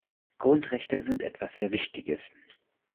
Grundrechte sind etwas sehr Wichtiges.